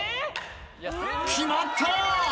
決まった！